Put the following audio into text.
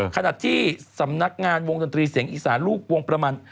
ขณะที่สำนักงานวงดนตรีเสียงอีสานลูกวงประมาณ